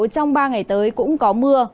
trong ba ngày tới cũng có mưa